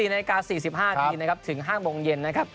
๑๔น๔๕นถึง๕โมงเย็นนะครับ